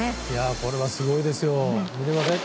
これは、すごいですよ。